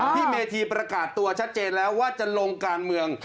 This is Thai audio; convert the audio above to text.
เมธีประกาศตัวชัดเจนแล้วว่าจะลงการเมือง